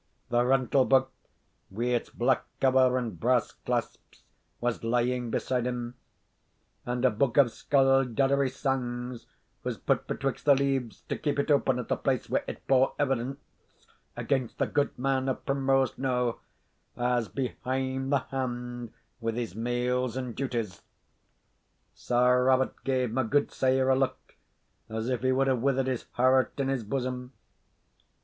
The rental book, wi' its black cover and brass clasps, was lying beside him; and a book of sculduddery sangs was put betwixt the leaves, to keep it open at the place where it bore evidence against the goodman of Primrose Knowe, as behind the hand with his mails and duties. Sir Robert gave my gudesire a look, as if he would have withered his heart in his bosom.